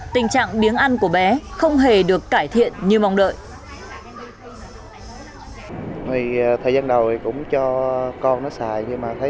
tình trạng biếng ăn của bé không hề được cải thiện như mong đợi